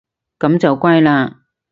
噉就乖嘞